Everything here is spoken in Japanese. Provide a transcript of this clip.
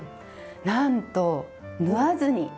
なんと縫わずに！